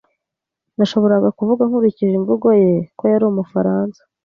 Nashoboraga kuvuga nkurikije imvugo ye ko yari Umufaransa.